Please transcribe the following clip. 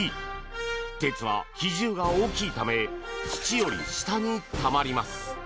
鉄は比重が大きいため土より下にたまります。